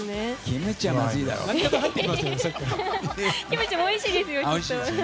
キムチもおいしいですよ、きっと。